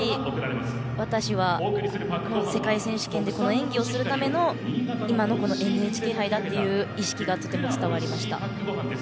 私は世界選手権で演技をするための今のＮＨＫ杯だという意識がとても伝わりました。